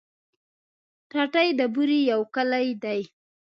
ټټۍ د بوري يو کلی دی.